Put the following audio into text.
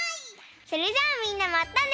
それじゃあみんなまたね！